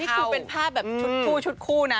นี่คือเป็นภาพแบบชุดคู่นะ